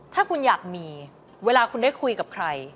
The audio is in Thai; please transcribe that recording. ถ้าคุณอยากมีเวลาคุณได้คุยกับใคร